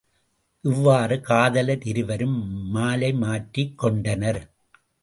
இவ்வாறு காதலர் இருவரும் மாலை மாற்றிக் கொண்டனர்.